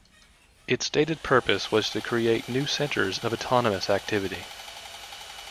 Its stated purpose was to create new centers of autonomous activity.